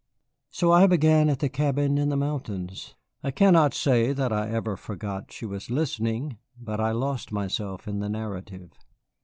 So I began at the cabin in the mountains. I cannot say that I ever forgot she was listening, but I lost myself in the narrative.